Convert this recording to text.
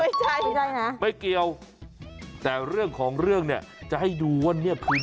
ไม่ใช่ไม่ใช่นะไม่เกี่ยวแต่เรื่องของเรื่องเนี่ยจะให้ดูว่าเนี่ยคือ